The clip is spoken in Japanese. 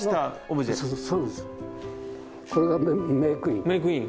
これがメークイン。